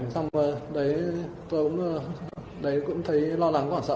xong rồi đấy tôi cũng thấy lo lắng lo sợ